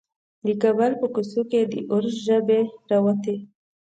د کابل په کوڅو کې د اور ژبې راووتې.